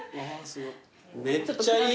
めっちゃいい。